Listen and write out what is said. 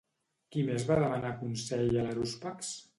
Qui més va demanar consell a l'harúspex?